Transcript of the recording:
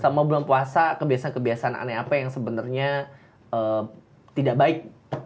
sama bulan puasa kebiasaan kebiasaan aneh apa yang sebenarnya tidak baik